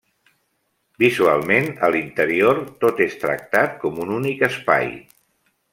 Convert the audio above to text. Visualment, a l'interior, tot és tractat com un únic espai.